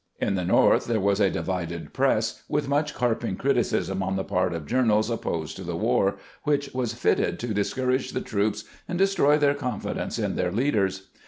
In the North there was a di vided press, with much carping criticism on the part of journals opposed to the war, which was fitted to dis courage the troops and destroy their confidence in their leaders.